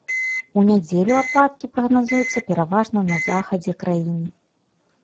У нядзелю ападкі прагназуюцца пераважна на захадзе краіны.